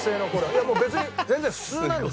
いやもう別に全然普通なんです。